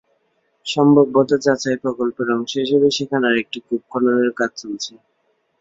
সম্ভাব্যতা যাচাই প্রকল্পের অংশ হিসেবে সেখানে আরেকটি কূপ খননের কাজ চলছে।